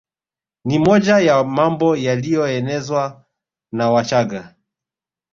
Ni moja ya mambo yaliyoenezwa na Wachagga